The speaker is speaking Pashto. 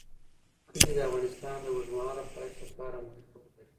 کلي د افغانستان د اوږدمهاله پایښت لپاره مهم رول لري.